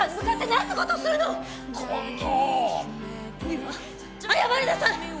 三和謝りなさい！